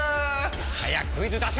早くクイズ出せ‼